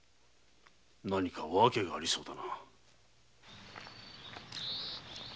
何か訳がありそうだ。